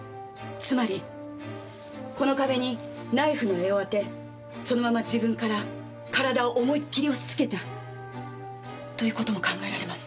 つまりこの壁にナイフの柄を当てそのまま自分から体を思いっ切り押しつけたという事も考えられます。